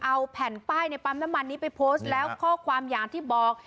เอาแผ่นป้ายในปั๊มน้ำมันนี้ไปโพสต์แล้วข้อความอย่างที่บอก